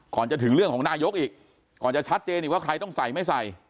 ก่อนจะถึงเรื่องของนายกอีกก่อนจะชัดเจนอีกว่าใครต้องใส่ไม่ใส่